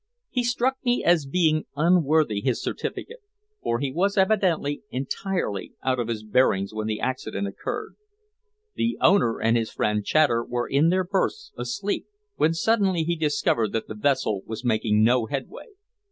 He struck me as being unworthy his certificate, for he was evidently entirely out of his bearings when the accident occurred. The owner and his friend Chater were in their berths asleep, when suddenly he discovered that the vessel was making no headway.